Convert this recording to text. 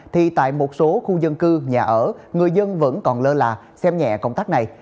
thì tại một số khu dân cư nhà ở người dân vẫn còn lơ là xem nhẹ công tác này